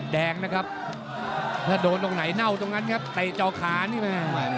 แดงนะครับถ้าโดนตรงไหนเน่าตรงนั้นครับเตะจอขานี่แม่